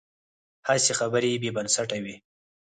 هسې خبرې بې بنسټه وي.